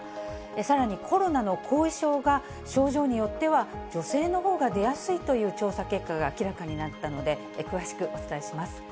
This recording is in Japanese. さらにコロナの後遺症が症状によっては女性のほうが出やすいという調査結果が明らかになったので、詳しくお伝えします。